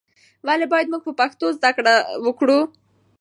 ولې باید موږ په پښتو زده کړه وکړو؟